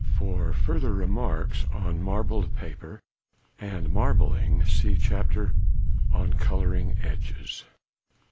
For further remarks on marbled paper and marbling see chapter on colouring edges.